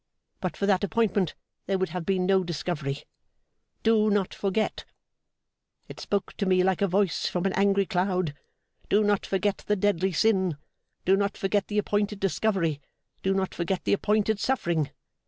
But for that appointment there would have been no discovery. "Do not forget." It spoke to me like a voice from an angry cloud. Do not forget the deadly sin, do not forget the appointed discovery, do not forget the appointed suffering.